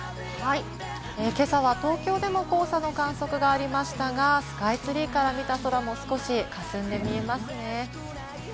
今朝は東京でも黄砂の観測がありましたが、スカイツリーから見た空も少し霞んで見えますね。